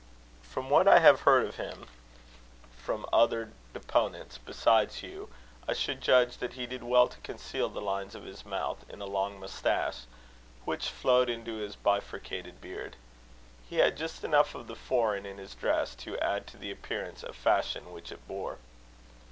From what I have heard of him from other deponents besides Hugh, I should judge that he did well to conceal the lines of his mouth in a long moustache, which flowed into his bifurcated beard. He had just enough of the foreign in his dress to add to the appearance of fashion which it bore.